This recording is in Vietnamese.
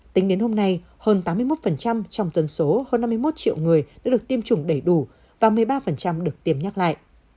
tính đến hôm nay hơn tám mươi một trong dân số hơn năm mươi một triệu người đã được tiêm chủng đầy đủ và một mươi ba được tiêm nhắc lại